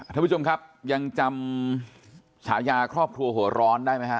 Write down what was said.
ท่านผู้ชมครับยังจำฉายาครอบครัวหัวร้อนได้ไหมฮะ